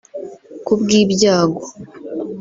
Ku bw’ibyago